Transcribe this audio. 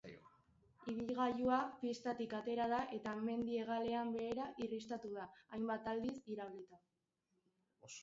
Ibilgailua pistatik atera da eta mendi-hegalean behera irristatu da, hainbat aldiz iraulita.